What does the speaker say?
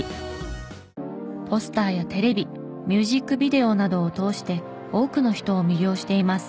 ポスターやテレビミュージックビデオなどを通して多くの人を魅了しています。